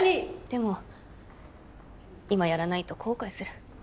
でも今やらないと後悔する。